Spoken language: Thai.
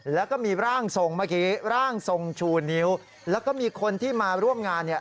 แล้วก็มีร่างทรงเมื่อกี้ร่างทรงชูนิ้วแล้วก็มีคนที่มาร่วมงานเนี่ย